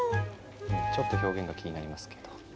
ちょっと表現が気になりますけど。